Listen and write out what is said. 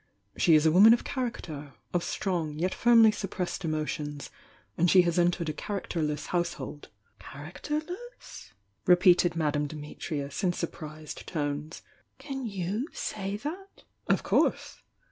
She is a woman of character — of strong, yet firmly suppressed emotions; and she has .entered a characterleas household " "Characterless?" repeated Madame Dimitrius, in surprised tones— "Can you say that?" "Of course!